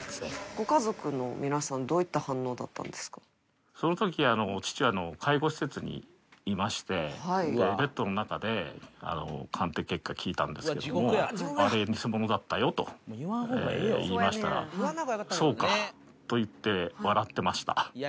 ご家族の皆さん、どういったそのときは父は介護施設にいまして、ベッドの中で鑑定結果聞いたんですけども、あれ偽物だったよと言いましたら、そうかといって笑ってました。